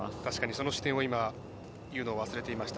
その視点を今言うのを忘れていました。